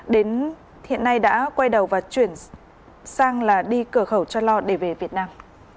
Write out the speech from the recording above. đến hiện nay đã quay đầu và chuyển sang là đi cửa khẩu cho lo để về việt nam